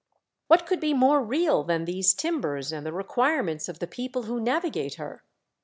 What could be more real than these timbers and the requirements of the people who navigate her